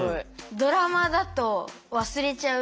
ドラマだと忘れちゃう